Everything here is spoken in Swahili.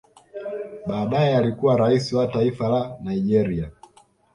Baadaye alikuwa rais wa taifa la Nigeria